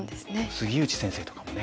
杉内先生とかもね。